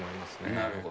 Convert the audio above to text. なるほど。